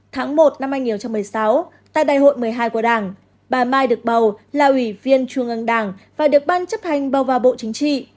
tháng một năm hai nghìn một mươi sáu tại đại hội một mươi hai của đảng bà mai được bầu là ủy viên trung ương đảng và được ban chấp hành bầu vào bộ chính trị